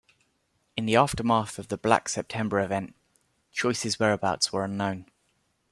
In the aftermath of the Black September Event, Choice's whereabouts were unknown.